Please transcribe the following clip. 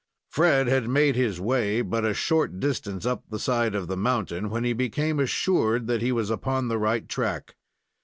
Fred had made his way but a short distance up the side of the mountain, when he became assured that he was upon the right track.